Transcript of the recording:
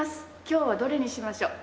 今日はどれにしましょう。